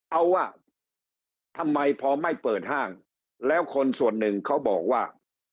เอาว่าทำไมพอไม่เปิดห้างแล้วคนส่วนหนึ่งเขาบอกว่า